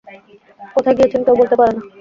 কোথায় গিয়েছেন কেউ বলতে পারে না।